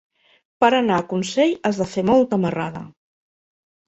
Per anar a Consell has de fer molta marrada.